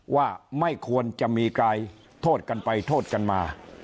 ว่าไม่ควรจะมีการโทษกันไปโทษกันมา